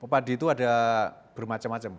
padi itu ada bermacam macam